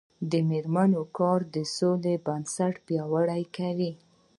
د میرمنو کار د سولې بنسټ پیاوړی کوي.